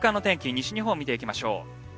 西日本見ていきましょう。